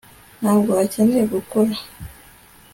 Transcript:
ntabwo akeneye gukora